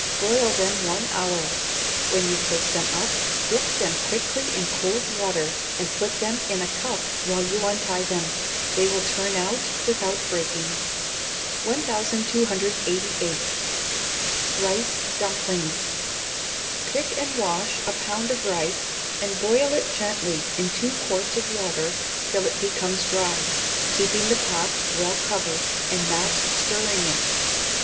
Boil them one hour; when you take them up, dip them quickly in cold water, and put them in a cup while you untie them; they will turn out without breaking. 1288. Rice Dumplings. Pick and wash a pound of rice, and boil it gently in two quarts of water till it becomes dry keeping the pot well covered, and not stirring it.